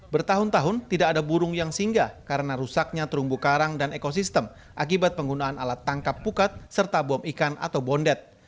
bertahun tahun tidak ada burung yang singgah karena rusaknya terumbu karang dan ekosistem akibat penggunaan alat tangkap pukat serta bom ikan atau bondet